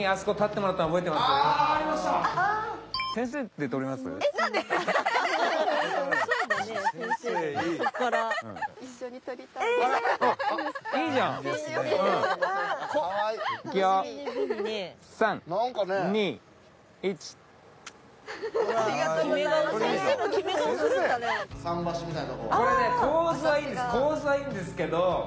構図はいいんですけど。